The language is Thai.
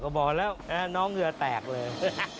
ก็บอกแล้วน้องเหยื่อแตกเลย